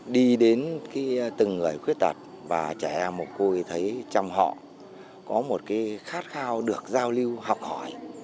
đi đến từng người khuyết tật và trẻ em một cô thì thấy trong họ có một cái khát khao được giao lưu học hỏi